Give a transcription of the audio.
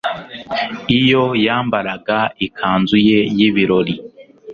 iyo yambaraga ikanzu ye y'ibirori